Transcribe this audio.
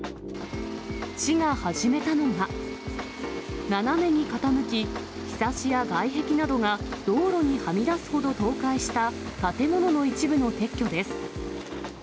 市が始めたのが、斜めに傾き、ひさしや外壁などが道路にはみ出すほど倒壊した建物の一部の撤去です。